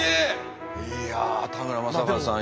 いや田村正和さん